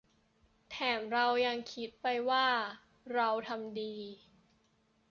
แถมเรายังคิดไปว่า 'เราทำดี'